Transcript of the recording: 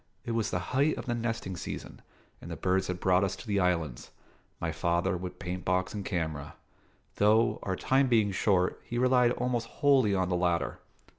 It was the height of the nesting season, and the birds had brought us to the islands; my father with paint box and camera though, our time being short, he relied almost wholly on the latter.